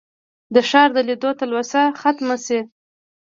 د ښار د لیدو تلوسه ختمه شي.